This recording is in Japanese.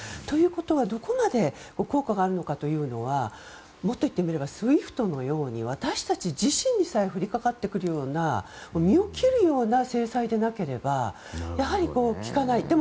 ということは、どこまで効果があるのかというのはもっと言ってみればＳＷＩＦＴのように私自身にさえ降りかかってくるような身を切るような制裁でなければやはり効かない。